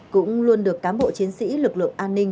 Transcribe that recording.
cũng luôn được cán bộ chiến sĩ lực lượng an ninh